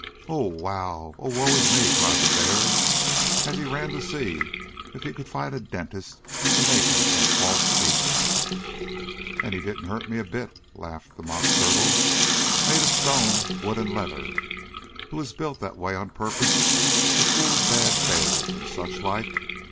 "Oh, wow! Oh, woe is me!" cried the bear, as he ran to see if he could find a dentist to make him some false teeth. "And he didn't hurt me a bit," laughed the Mock Turtle, made of stone, wood and leather, who was built that way on purpose to fool bad bears and such like.